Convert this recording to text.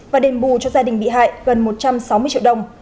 và đền bù cho gia đình bị hại gần một trăm sáu mươi triệu đồng